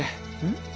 ん？